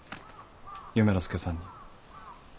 夢の助さんに。